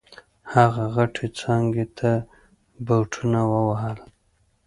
هغه غټې څانګې ته ټوپونه ووهل.